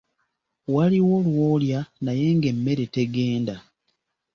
Waliwo lw’olya naye ng’emmere tegenda.